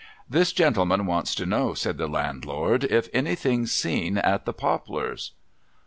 ' This gendeman wants to know,' said the landlord, ' if anything's seen at the Poplars.'